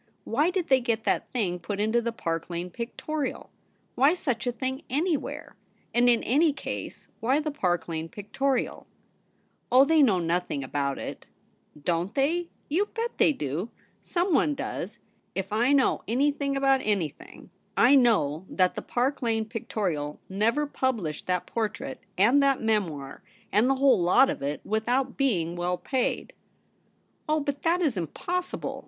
Why did they get that thing put into the Park Lane Pictorial ? Why such a thing anywhere ? and, in any case, why the Park Lane Pictorial 7 ' Oh, they know nothing about it.' * Don't they } You bet they do ; someone does. If I know anything about anything, I know that the Park Lane Pictorial never 144 THE REBEL ROSE. published that portrait and that memoir, and the whole lot of it, without being well paid.' * Oh, but that is impossible.